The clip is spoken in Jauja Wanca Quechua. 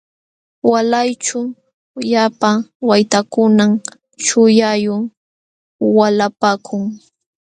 Waalayćhu llapa waytakunam shullayuq waalapaakun.